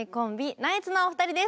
ナイツのお二人です。